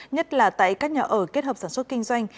nhất là tại các nhà ở kết hợp sản xuất kinh doanh